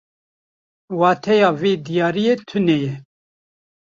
Wateya vê diyariyê tune ye.